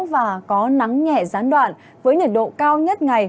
và có nắng nhẹ gián đoạn với nhiệt độ cao nhất ngày